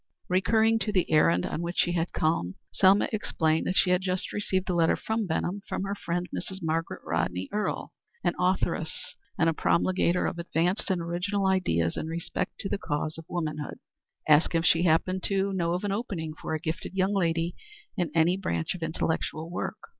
Recurring to the errand on which she had come, Selma explained that she had just received a letter from Benham from her friend, Mrs. Margaret Rodney Earle, an authoress and a promulgator of advanced and original ideas in respect to the cause of womanhood, asking if she happened to know of an opening for a gifted young lady in any branch of intellectual work.